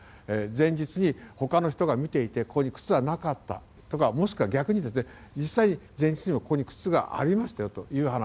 前日に他の人が見ていてここに靴はなかったとかもしくは逆に実際、前日にも靴がありましたよという話。